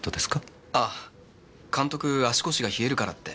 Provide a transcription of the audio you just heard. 監督足腰が冷えるからって。